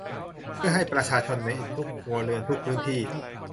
เพื่อให้ประชาชนในทุกครัวเรือนทุกพื้นที่